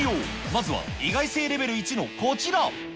まずは意外性レベル１のこちら。